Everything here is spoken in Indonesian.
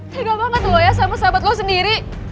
tiga banget lo ya sama sahabat lo sendiri